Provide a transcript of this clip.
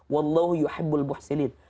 wallahu yuhibbul muhsinin